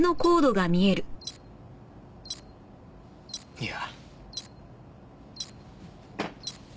いや。